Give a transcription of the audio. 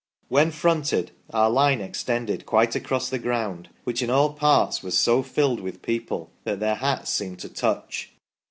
When fronted, our line extended quite across the ground, which in all parts was so filled with people that their hats seemed to touch."